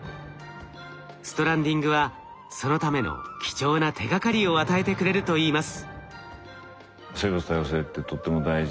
ストランディングはそのための貴重な手がかりを与えてくれるといいます。